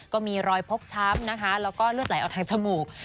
ก็มีรอยพกช้ำนะคะแล้วก็เลือดไหลออกทางจมูก